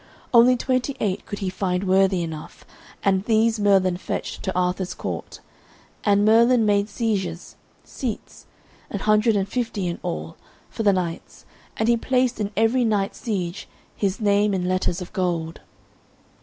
Only twenty eight could he find worthy enough, and these Merlin fetched to Arthur's court. And Merlin made sieges (seats), an hundred and fifty in all, for the knights, and he placed in every knight's siege his name in letters of gold.